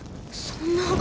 そんな。